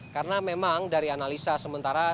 karena memang dari analisa sementara